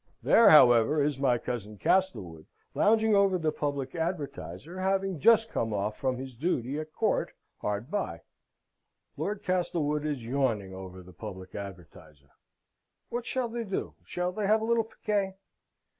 There, however, is my cousin Castlewood, lounging over the Public Advertiser, having just come off from his duty at Court hard by. Lord Castlewood is yawning over the Public Advertiser. What shall they do? Shall they have a little piquet?